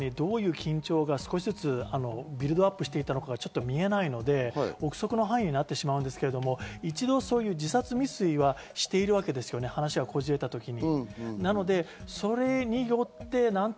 実際、暴言が吐かれるまでにどういう緊張が少しずつビルドアップしていったのか見えないので、臆測の範囲になってしまうんですけど、一度そういう自殺未遂をしているわけですね、話がこじれた時に。